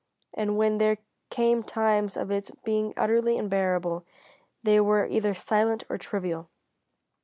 And when there came times of its being utterly unbearable, they were either silent or trivial.